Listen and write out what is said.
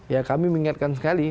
ya kami mengingatkan sekali